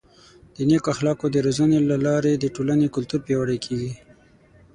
د نیکو اخلاقو د روزنې له لارې د ټولنې کلتور پیاوړی کیږي.